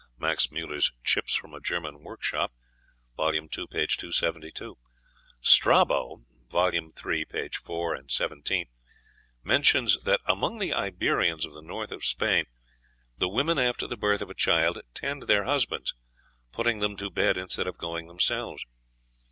(Max Müller's "Chips from a German Workshop," vol. ii., p. 272.) Strabo (vol. iii., pp. 4, 17) mentions that, among the Iberians of the North of Spain, the women, after the birth of a child, tend their husbands, putting them to bed instead of going themselves.